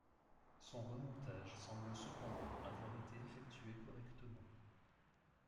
Son remontage semble cependant avoir été effectué correctement.